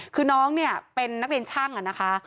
คือน้องเนี่ยเป็นนักเรียนช่างอะนะคะ